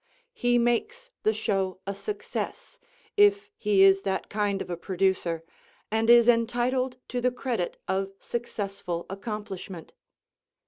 He makes the show a success, if he is that kind of a producer, and is entitled to the credit of successful accomplishment.